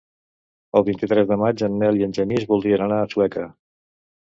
El vint-i-tres de maig en Nel i en Genís voldrien anar a Sueca.